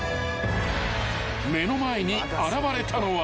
［目の前に現れたのは］